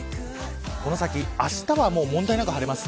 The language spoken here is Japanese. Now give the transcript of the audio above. この先、あしたは問題なく晴れます。